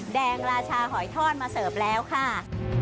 ราชาหอยทอดมาเสิร์ฟแล้วค่ะ